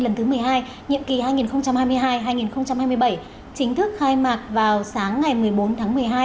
lần thứ một mươi hai nhiệm kỳ hai nghìn hai mươi hai hai nghìn hai mươi bảy chính thức khai mạc vào sáng ngày một mươi bốn tháng một mươi hai